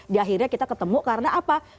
di akhirnya kita ketemu karena apa